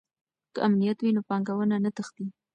که امنیت وي نو پانګونه نه تښتي.